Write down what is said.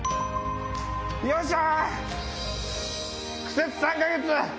よいしゃ！